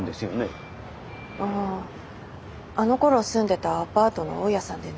あああのころ住んでたアパートの大家さんでね。